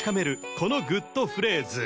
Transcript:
このグッとフレーズ